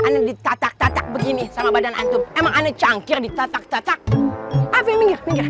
ini ditatak tatak begini sama badan antum emang aneh cangkir ditatak tatak